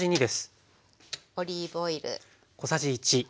オリーブオイル。